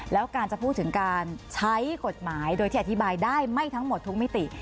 แล้วการจะพูดถึงการใช้กฎหมายโดยที่อธิบายได้ไม่ทั้งหมดทุกมิติ